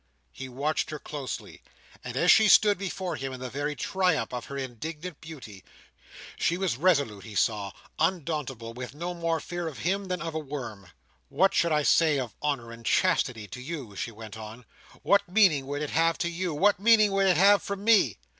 He watched her closely, as she stood before him in the very triumph of her indignant beauty. She was resolute, he saw; undauntable; with no more fear of him than of a worm. "What should I say of honour or of chastity to you!" she went on. "What meaning would it have to you; what meaning would it have from me!